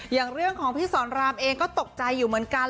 อย่างเรื่องของพี่สอนรามเองก็ตกใจอยู่เหมือนกัน